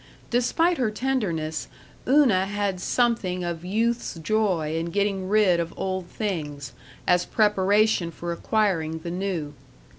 Despite her tenderness, Una had something of youth's joy in getting rid of old things, as preparation for acquiring the new.